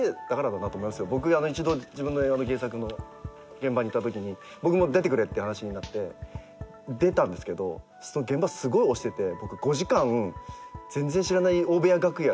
僕一度自分の映画の原作の現場に行ったときに僕も出てくれって話になって出たんですけど現場すごい押してて。